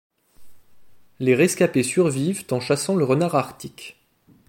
Les rescapés survivent en chassant le renard arctique.